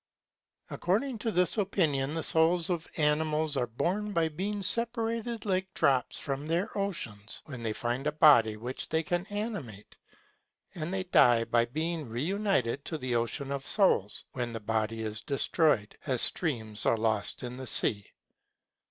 According to this opinion the souls of animals are born by being separated like drops from their ocean, when they find a body which they can animate; and they die by being reunited to the ocean of souls when the body is destroyed, as streams are lost in the sea.